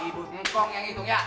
ibu tukang yang hitung ya